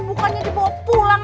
bukannya dibawa pulang